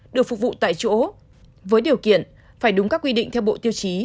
được phục vụ tại chỗ với điều kiện phải đúng các quy định theo bộ tiêu chí